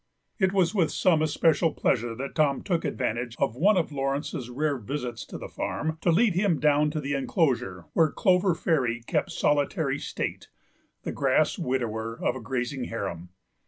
It was with some especial pleasure that Tom took advantage of one of Laurence's rare visits to the farm to lead him down to the enclosure where Clover Fairy kept solitary state—the grass widower of a grazing harem.